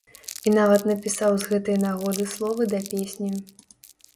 І нават напісаў з гэтай нагоды словы да песні.